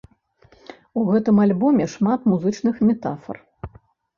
У гэтым альбоме шмат музычных метафар.